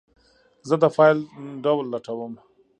زه د فایل ډول لټوم.